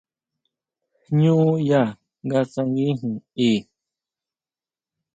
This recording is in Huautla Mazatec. Jñú yá nga tsanguijin i.